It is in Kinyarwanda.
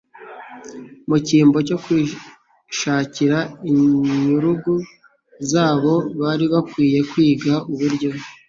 Mu cyimbo cyo kwishakira inyurugu zabo, bari bakwiye kwiga uburyo,